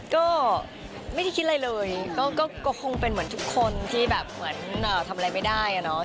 ก็ไม่ได้คิดอะไรเลยก็คงเป็นเหมือนทุกคนที่แบบเหมือนทำอะไรไม่ได้อะเนาะ